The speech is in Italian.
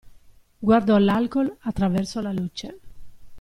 Guardò l'alcol attraverso la luce.